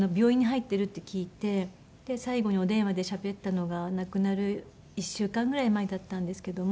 で最後にお電話でしゃべったのが亡くなる１週間ぐらい前だったんですけども。